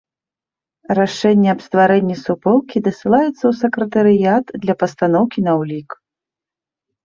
Рашэнне аб стварэнні суполкі дасылаецца ў сакратарыят для пастаноўкі на ўлік.